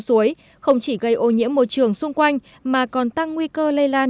suối không chỉ gây ô nhiễm môi trường xung quanh mà còn tăng nguy cơ lây lan